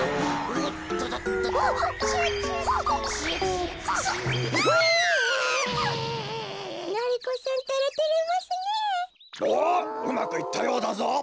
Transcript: おっうまくいったようだぞ。